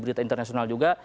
berita internasional juga